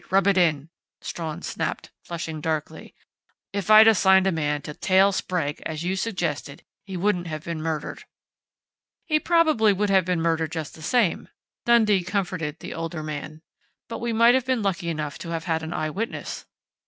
Rub it in!" Strawn snapped, flushing darkly. "If I had assigned a man to 'tail' Sprague, as you suggested, he wouldn't have been murdered " "He probably would have been murdered just the same," Dundee comforted the older man, "but we might have been lucky enough to have had an eye witness."